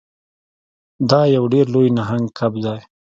دا یو ډیر لوی نهنګ کب دی.